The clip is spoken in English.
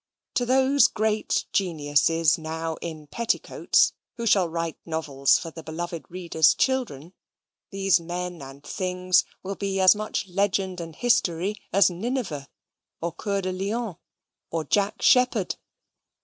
To those great geniuses now in petticoats, who shall write novels for the beloved reader's children, these men and things will be as much legend and history as Nineveh, or Coeur de Lion, or Jack Sheppard.